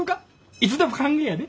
いつでも歓迎やで。